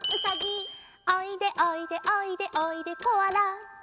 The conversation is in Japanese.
「おいでおいでおいでおいで」「コアラ」「」